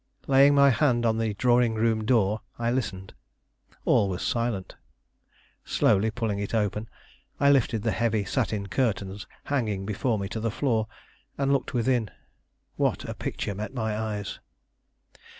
Laying my hand on the drawing room door, I listened. All was silent. Slowly pulling it open, I lifted the heavy satin curtains hanging before me to the floor, and looked within. What a picture met my eyes!